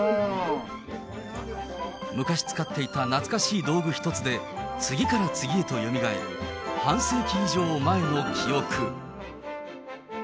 昔使っていた懐かしい道具一つで、次から次へとよみがえる半世紀以上前の記憶。